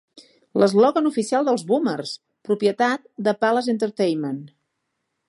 L'eslògan oficial dels Boomers! propietat de Palace Entertainment